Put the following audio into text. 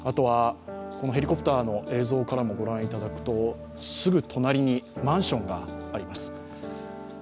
ヘリコプターの映像からもご覧いただくとすぐ隣にマンションがあります。